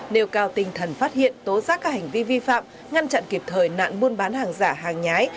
nêu cao tinh thần phát hiện tố giác các hành vi vi phạm ngăn chặn kịp thời nạn buôn bán hàng giả hàng nhái